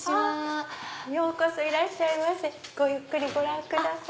ようこそいらっしゃいませごゆっくりご覧ください。